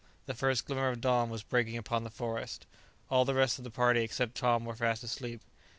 The first glimmer of dawn was breaking upon the forest. All the rest of the party, except Tom, were fast asleep.